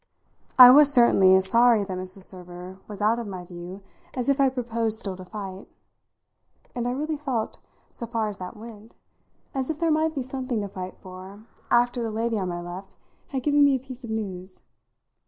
I was certainly as sorry that Mrs. Server was out of my view as if I proposed still to fight; and I really felt, so far as that went, as if there might be something to fight for after the lady on my left had given me a piece of news.